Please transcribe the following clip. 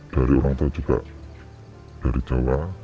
dari orang tua juga dari jawa